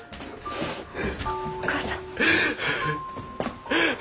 お母さん。